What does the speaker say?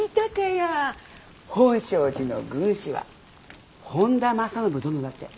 本證寺の軍師は本多正信殿だって。